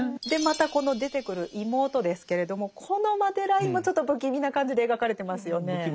でまたこの出てくる妹ですけれどもこのマデラインもちょっと不気味な感じで描かれてますよね。